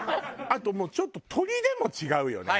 あともうちょっと鶏でも違うよね。